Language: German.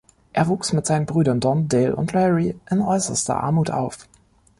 Er wuchs mit seinen Brüdern Don, Dale und Larry in äußerster Armut auf.